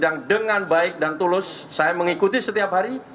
yang dengan baik dan tulus saya mengikuti setiap hari